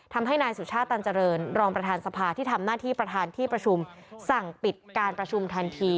ทำให้นายสุชาติตันเจริญรองประธานสภาที่ทำหน้าที่ประธานที่ประชุมสั่งปิดการประชุมทันที